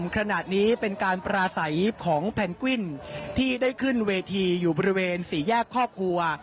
ขณะนี้เป็นการปราศัยของแพนกวินที่ได้ขึ้นเวทีอยู่บริเวณสี่แยกครอบครัว